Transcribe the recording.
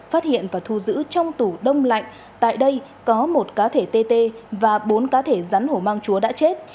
phát hiện và thu giữ trong tủ đông lạnh tại đây có một cá thể tt và bốn cá thể rắn hổ mang chúa đã chết